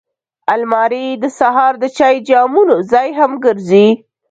الماري د سهار د چای جامونو ځای هم ګرځي